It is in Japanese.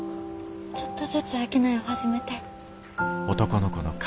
ちょっとずつ商いを始めて。